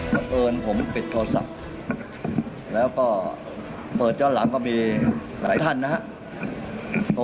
เอิญผมปิดโทรศัพท์แล้วก็เปิดย้อนหลังก็มีหลายท่านนะครับ